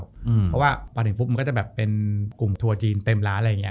เพราะว่าพอถึงปุ๊บมันก็จะแบบเป็นกลุ่มทัวร์จีนเต็มร้านอะไรอย่างนี้